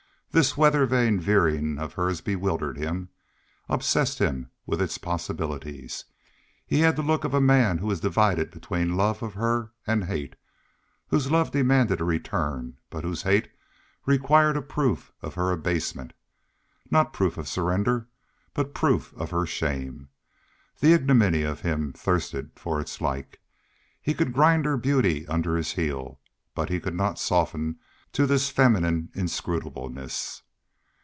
This weather vane veering of hers bewildered him, obsessed him with its possibilities. He had the look of a man who was divided between love of her and hate, whose love demanded a return, but whose hate required a proof of her abasement. Not proof of surrender, but proof of her shame! The ignominy of him thirsted for its like. He could grind her beauty under his heel, but he could not soften to this feminine inscrutableness.